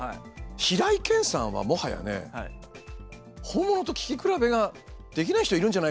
平井堅さんはもはやね本物と聞き比べができない人いるんじゃないかなっていうぐらい。